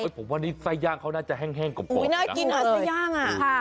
ผมว่านี่ไส้ย่างเขาน่าจะแห้งกว่าปกตินะอุ้ยน่ากินอ่ะไส้ย่างอ่ะ